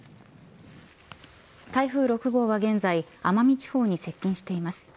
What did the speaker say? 台風６号は現在奄美地方に接近しています。